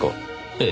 ええ。